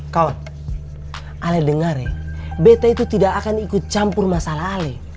kawan alih dengar ya bete itu tidak akan ikut campur masalah alih